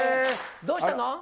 どうしたの？